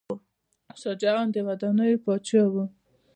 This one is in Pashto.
شاه جهان د ودانیو پاچا و.